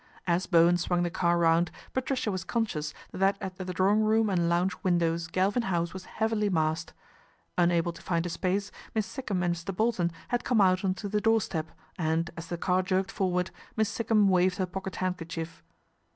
As Bowen swung the car round, Patricia was conscious that at the drawing room and lounge windows Galvin House was heavily massed. Unable to find a space, Miss Sikkum and Mr. Bolton had come out on to the doorstep and, as the jerked forward, Miss Sikkum waved her pocket handkerchief.